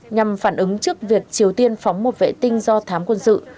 nhằm phản ứng trước việc triều tiên phóng một vệ tinh do thám quân sự